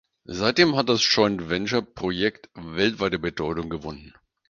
Seitdem hat das Joint-Venture-Projekt weltweite Bedeutung gewonnen.